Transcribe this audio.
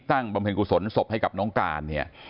บำเพ็ญกุศลศพให้กับน้องการเนี่ย